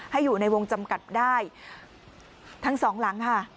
อยู่ในวงจำกัดได้ทั้งสองหลังค่ะ